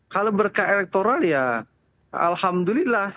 kalau berkah elektoral ya alhamdulillah